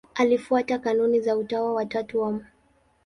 Alifuata kanuni za Utawa wa Tatu wa Mt.